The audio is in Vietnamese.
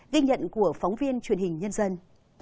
ghi nhận của phóng viên truyền hình nhân dân